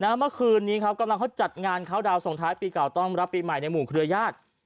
เมื่อคืนนี้เขากำลังจะจัดงานเคาน์ดาวน์ส่วนท้ายปีเก่าต้องรับปีใหม่ในหมู่เครือยาศ